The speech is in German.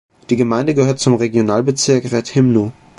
Die Gemeinde gehört zum Regionalbezirk Rethymno.